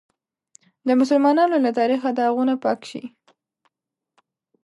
د مسلمانانو له تاریخه داغونه پاک شي.